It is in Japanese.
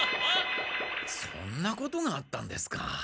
そんなことがあったんですか。